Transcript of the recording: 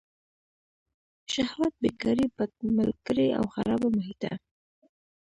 شهوت، بېکاري، بد ملګري او خرابه محیطه.